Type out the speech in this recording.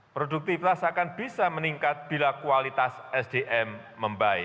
produktivitas akan bisa meningkat bila kualitas sdm membaik